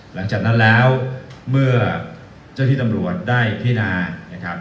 หลังจากนั้นแล้วเมื่อเจ้าที่ตำรวจได้พินานะครับ